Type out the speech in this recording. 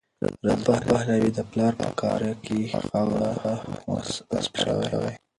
رضا پهلوي د پلار په قاره کې خاورو ته سپارل شوی.